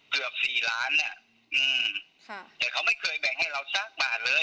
เกือบสี่ล้านเนี่ยอืมค่ะแต่เขาไม่เคยแบ่งให้เราสักบาทเลย